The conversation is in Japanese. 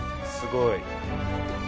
すごい。